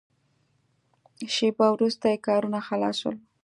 شېبه وروسته یې کارونه خلاص شول.